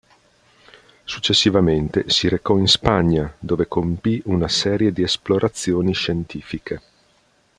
Successivamente si recò in Spagna, dove compì una serie di esplorazioni scientifiche.